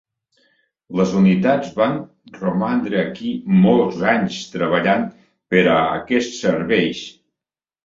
Les unitats van romandre aquí molts anys treballant per a aquests serveis.